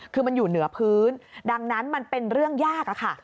คือมันอยู่เหนือพื้นดังนั้นมันเป็นเรื่องยากอะค่ะ